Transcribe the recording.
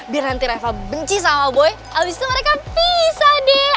biar nanti reva benci sama boy habis itu mereka pisah deh